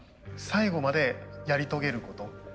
最後までやり遂げること。